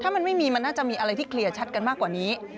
ถ้ามันไม่มีมันน่าจะมีอะไรที่เคลียร์ชัดกันมากกว่านี้